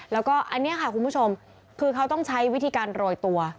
แล้วก็อันนี้ค่ะคุณผู้ชมคือเขาต้องใช้วิธีการโรยตัว